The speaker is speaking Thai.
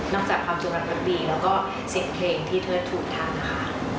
นอกจากความจงรักสุดดีและเสียงเพลงที่ถือถูกท่านะคะ